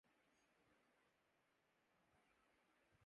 پاکستان کی بہت قدیم اور رنگارنگ تہذیب ہے